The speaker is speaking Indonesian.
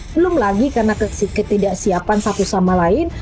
belum lagi karena ketidaksiapan satu sama lain